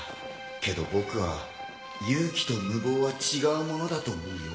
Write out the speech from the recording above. けど僕は勇気と無謀は違うものだと思うよ。